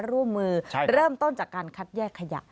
ร่วมมือเริ่มต้นจากการคัดแยกขยะ